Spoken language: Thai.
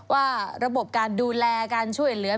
ว่าระบบการดูแลการช่วยเหลือ